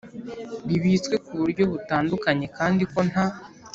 bibitswe ku buryo butandukanye kandi ko nta